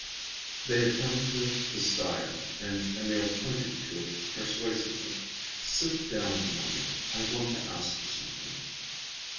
They had come to the stile and Emil pointed to it persuasively. "Sit down a moment, I want to ask you something."